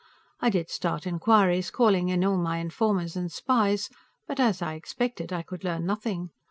I did start inquiries, calling in all my informers and spies, but, as I expected, I could learn nothing.